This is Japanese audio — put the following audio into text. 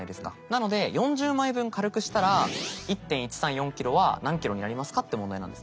なので４０枚分軽くしたら１．１３４ｋｇは何ｋｇになりますかって問題なんですね。